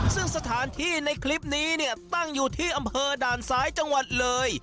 ซึ่งสถานที่ในคลิปนี้เนี่ยตั้งอยู่ที่อำเภอด่านซ้ายจังหวัดเลย